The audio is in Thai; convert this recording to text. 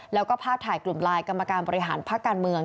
แล้วก็ภาพถ่ายกลุ่มไลน์กรรมการบริหารพักการเมือง